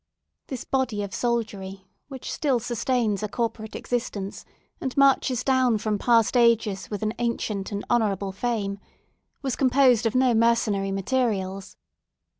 This body of soldiery—which still sustains a corporate existence, and marches down from past ages with an ancient and honourable fame—was composed of no mercenary materials.